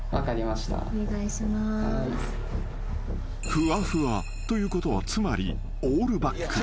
［ふわふわということはつまりオールバック］